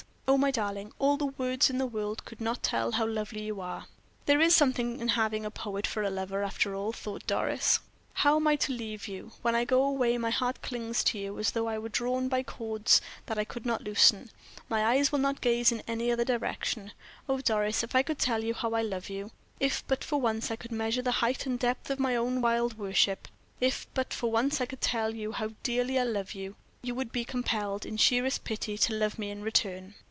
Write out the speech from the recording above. Oh, my darling, all the words in the world could not tell how lovely you are!" "There is something in having a poet for a lover after all," thought Doris. "How am I to leave you? When I go away my heart clings to you; it is as though I were drawn by cords that I could not loosen; my eyes will not gaze in any other direction. Oh, Doris, if I could tell you how I love you, if but for once I could measure the height and depth of my own wild worship, if but for once I could tell you how dearly I love you, you would be compelled, in sheerest pity, to love me in return."